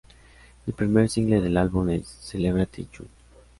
El primer single del álbum es "Celebrate You".